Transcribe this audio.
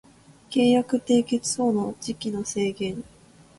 契約締結等の時期の制限